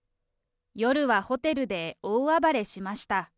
夜はホテルで大暴れしました。